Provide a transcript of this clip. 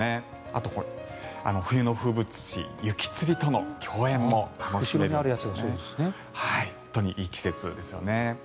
あと冬の風物詩雪つりとの共演も楽しめるということで本当にいい季節ですよね。